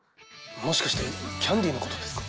もしかしてキャンディーのことですか？